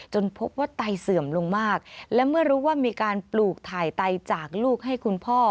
พบว่าไตเสื่อมลงมากและเมื่อรู้ว่ามีการปลูกถ่ายไตจากลูกให้คุณพ่อ